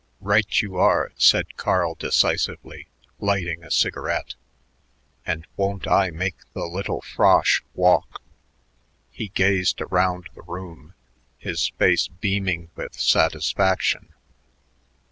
"Right you are," said Carl decisively, lighting a cigarette, "and won't I make the little frosh walk." He gazed around the room, his face beaming with satisfaction.